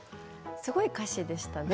すごい歌詞でしたね